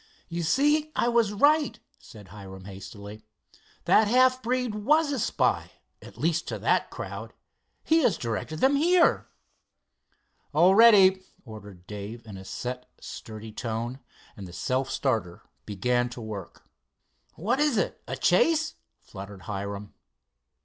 "You see, I was right," said Hiram hastily. "That half breed was a spy, at least to that crowd. He has directed them here." "All ready," ordered Dave, in a set, sturdy tone, and the self starter began to work. "What is it a chase?" fluttered Hiram.